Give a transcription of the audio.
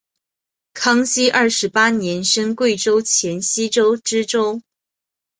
康熙二十八年升贵州黔西州知州。